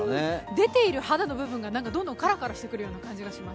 出ている肌の部分がどんどんカラカラしてくるような感じがします。